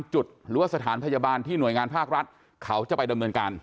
จุดหรือว่าสถานพยาบาลที่หน่วยงานภาครัฐเขาจะไปดำเนินการ